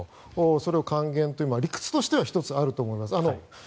それを還元という理屈としては１つあると思います。